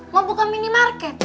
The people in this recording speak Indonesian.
mau buka minimarket